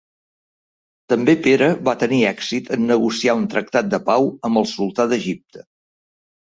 També Pere va tenir èxit en negociar un tractat de pau amb el sultà d'Egipte.